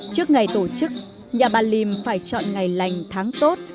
trước ngày tổ chức nhà bà lìm phải chọn ngày lành tháng tốt